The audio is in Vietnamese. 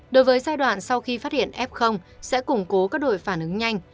đối với giai đoạn sau khi phát hiện f sẽ củng cố các đội phản ứng nhanh